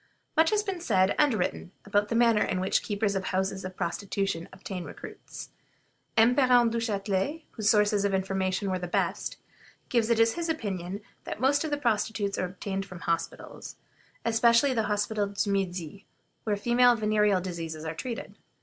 Much has been said and written about the manner in which the keepers of houses of prostitution obtain recruits. M. Parent Duchatelet, whose sources of information were the best, gives it as his opinion that most of the prostitutes are obtained from the hospitals, especially the Hospital du Midi, where female venereal diseases are treated.